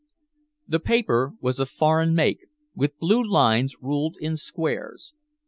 The paper was of foreign make, with blue lines ruled in squares.